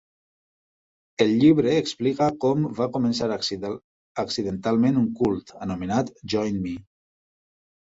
El llibre explica com "va començar accidentalment un 'cult'" anomenat Join Me.